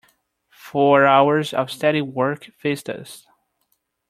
Four hours of steady work faced us.